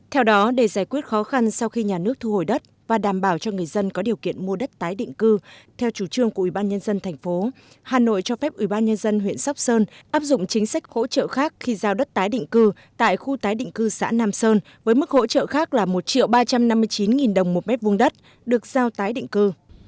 theo đó để giải quyết khó khăn sau khi nhà nước thu hồi đất và đảm bảo cho người dân có điều kiện mua đất tái định cư theo chủ trương của ủy ban nhân dân thành phố hà nội cho phép ubnd huyện sóc sơn áp dụng chính sách hỗ trợ khác khi giao đất tái định cư tại khu tái định cư xã nam sơn với mức hỗ trợ khác là một ba trăm năm mươi chín đồng một mét vuông đất được giao tái định cư